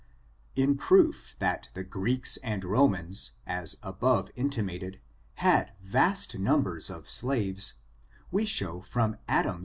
In proof that the Greeks and Romans, as above in* timated, had vast numbers of slaves, we show from ^^ Adams?